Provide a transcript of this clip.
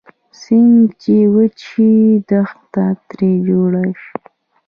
سیند چې وچ شي دښته تري جوړه شي